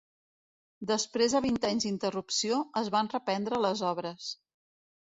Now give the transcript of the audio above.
Després de vint anys d'interrupció, es van reprendre les obres.